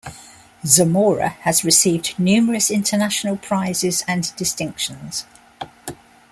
Zamora has received numerous international prizes and distinctions.